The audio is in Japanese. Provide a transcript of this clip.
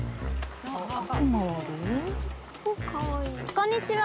こんにちは。